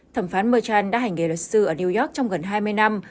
thẩm phán mechal đã hành nghề luật sư ở new york trong gần hai mươi năm